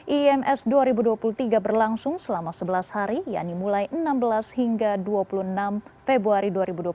ims dua ribu dua puluh tiga berlangsung selama sebelas hari yakni mulai enam belas hingga dua puluh enam februari dua ribu dua puluh tiga